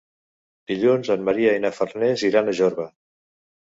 Dilluns en Maria i na Farners iran a Jorba.